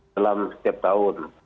dalam setiap tahun